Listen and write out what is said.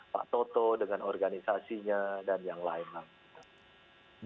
pak toto dengan organisasinya dan yang lain lain